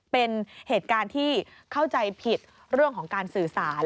เป็นเหตุการณ์ที่เข้าใจผิดเรื่องของการสื่อสาร